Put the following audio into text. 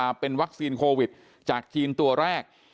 ก็คือเป็นการสร้างภูมิต้านทานหมู่ทั่วโลกด้วยค่ะ